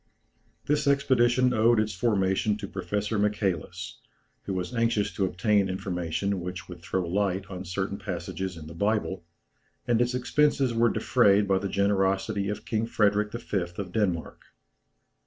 This expedition owed its formation to Professor Michälis, who was anxious to obtain information which would throw light on certain passages in the Bible, and its expenses were defrayed by the generosity of King Frederick V. of Denmark.